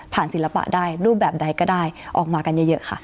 ศิลปะได้รูปแบบใดก็ได้ออกมากันเยอะค่ะ